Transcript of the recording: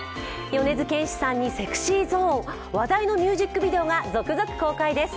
米津玄師さんにＳｅｘｙＺｏｎｅ、話題のミュージックビデオが続々公開です。